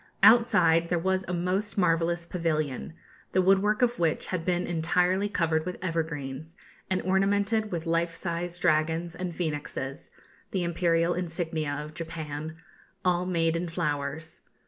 Outside there was a most marvellous pavilion, the woodwork of which had been entirely covered with evergreens, and ornamented with life size dragons and phoenixes (the imperial insignia of Japan), all made in flowers.